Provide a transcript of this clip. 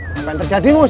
apa yang terjadi muz